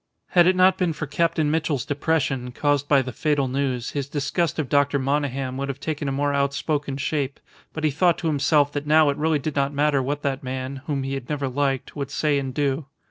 Had it not been for Captain Mitchell's depression, caused by the fatal news, his disgust of Dr. Monygham would have taken a more outspoken shape; but he thought to himself that now it really did not matter what that man, whom he had never liked, would say and do.